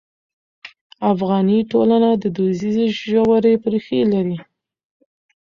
افغاني ټولنه دودیزې ژورې ریښې لري.